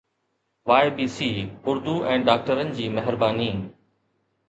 YBC Urdu ۽ ڊاڪٽرن جي مهرباني